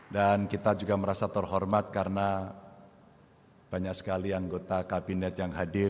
dan kita juga merasa terhormat karena banyak sekali anggota kabinet yang hadir